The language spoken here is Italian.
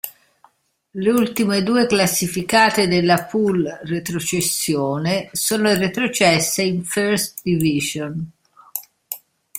Le ultime due classificate della "poule" retrocessione sono retrocesse in First Division.